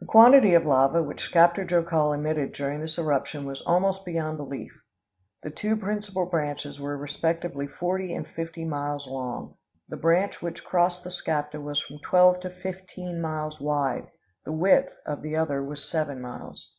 The quantity of lava which Skaptar Jokul emitted during this eruption was almost beyond belief. The two principal branches were respectively forty and fifty miles long. The branch which crossed the Skapta was from twelve to fifteen miles wide; the width of the other was seven miles.